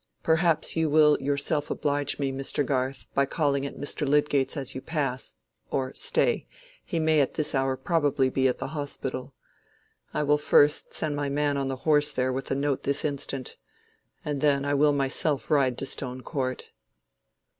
"Perhaps you will yourself oblige me, Mr. Garth, by calling at Mr. Lydgate's as you pass—or stay! he may at this hour probably be at the Hospital. I will first send my man on the horse there with a note this instant, and then I will myself ride to Stone Court."